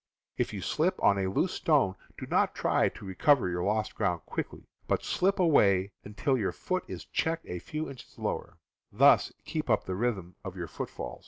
If you slip on a loose stone, do not try to recover your lost ground quickly, but slip away until your foot is checked a few inches below. Thus keep up the rhythm of your footfall.